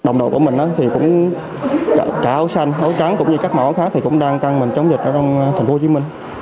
đồng đội của mình thì cũng cả áo xanh áo trắng cũng như các màu khác thì cũng đang tăng mình chống dịch ở trong thành phố hồ chí minh